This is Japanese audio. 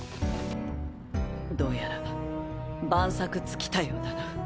どうやら万策尽きたようだな。